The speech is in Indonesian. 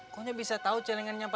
koknya bisa tau celengan nya empat juta